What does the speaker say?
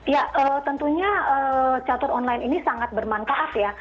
ya tentunya catur online ini sangat bermanfaat ya